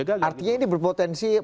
artinya ini berpotensi